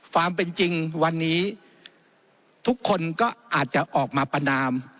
ความเป็นจริงวันนี้ทุกคนก็อาจจะออกมาประนาม